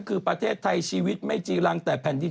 คือประเทศไทยชีวิตไม่จีรังแต่แผ่นดิน